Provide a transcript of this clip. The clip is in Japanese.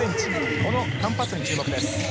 このカンパッソに注目です。